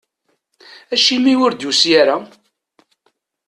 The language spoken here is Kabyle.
Acimi ur d-yusi ara?